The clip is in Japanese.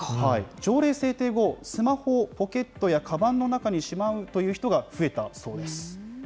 条例制定後、スマホをポケットやかばんの中にしまうという人が増えたそうです。